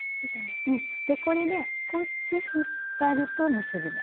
でこれでこっち引っ張ると結び目。